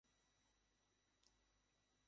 মসজিদের অভ্যন্তরভাগ বাগানের শৈলী নির্মাণ করা হয়েছে।